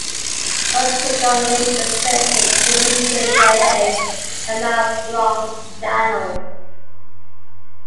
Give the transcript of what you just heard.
Muskegon Lake is connected to Lake Michigan via a mile-long channel.